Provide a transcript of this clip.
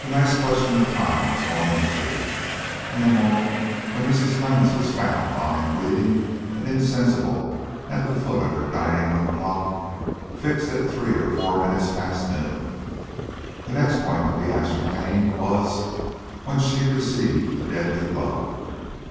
The nice question of time was gone into, and the moment when Mrs. Clemmens was found lying bleeding and insensible at the foot of her dining room clock, fixed at three or four minutes past noon. The next point to be ascertained was when she received the deadly blow.